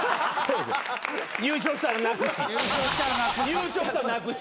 優勝したら泣くし。